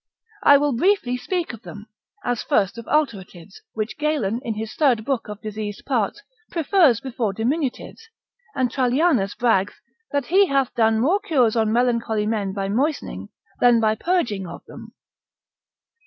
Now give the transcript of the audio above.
I will briefly speak of them, as first of alteratives, which Galen, in his third book of diseased parts, prefers before diminutives, and Trallianus brags, that he hath done more cures on melancholy men by moistening, than by purging of them.